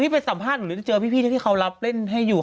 ไปสัมภาษณ์หนูจะเจอพี่ที่เขารับเล่นให้อยู่